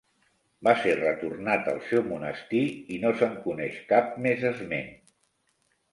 Va ser retornat al seu monestir i no se'n coneix cap més esment.